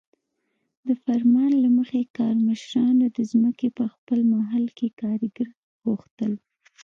د فرمان له مخې کارمشرانو د ځمکې په خپل محل کې کارګران غوښتل.